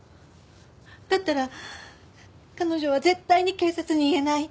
だったら彼女は絶対に警察に言えない。